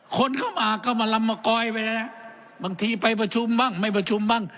คนเข้ามาก็มาลำมากอยไปแล้วนะบางทีไปประชุมบ้างไม่ประชุมบ้าง